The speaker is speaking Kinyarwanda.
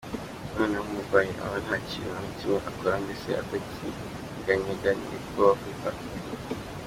noneho umurwayi aba ntakintu nakimwe akora mbese atakinyeganyega nibwo bavuga